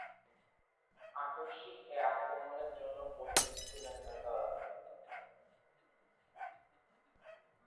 আকস্মিক এ আক্রমণের জন্য প্রস্তুত ছিলেন না তারা।